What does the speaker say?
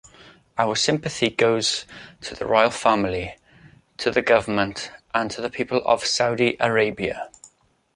Our sympathy goes to the royal family, to the Government and to the people of Saudi Arabia.